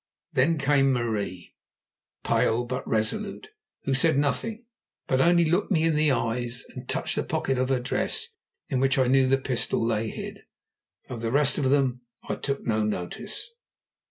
Then came Marie, pale but resolute, who said nothing, but only looked me in the eyes, and touched the pocket of her dress, in which I knew the pistol lay hid. Of the rest of them I took no notice.